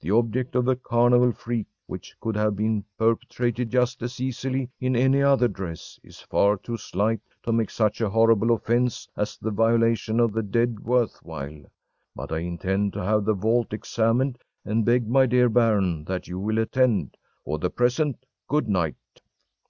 The object of a carnival freak, which could have been perpetrated just as easily in any other dress, is far too slight to make such a horrible offense as the violation of the dead worth while! But I intend to have the vault examined, and beg, my dear baron, that you will attend. For the present, good night.